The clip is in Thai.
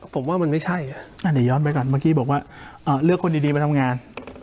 ผมว่ามันไม่ใช่เดี๋ยวย้อนไปก่อนเมื่อกี้บอกว่าเลือกคนดีมาทำงาน